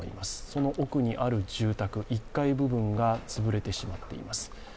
その奥にある住宅、１階部分が潰れてしまっています。